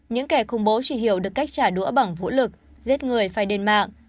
những kẻ khủng bố chỉ hiểu được cách trả đũa bằng vũ lực giết người phải lên mạng